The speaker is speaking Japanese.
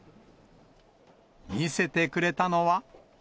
見せてくれたのは。